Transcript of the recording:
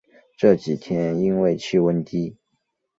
这几天因为气温低